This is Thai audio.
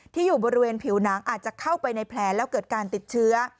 อยู่บริเวณผิวหนังอาจจะเข้าไปในแผลแล้วเกิดการติดเชื้อ